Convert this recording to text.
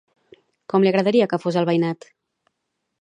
Com li agradaria que fos el veïnat?